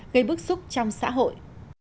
gây bức xúc trong xã hội